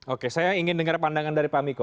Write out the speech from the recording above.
oke saya ingin dengar pandangan dari pak miko